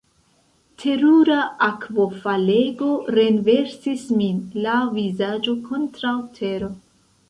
Terura akvofalego renversis min, la vizaĝo kontraŭ tero.